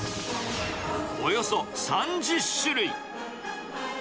およそ３０種類。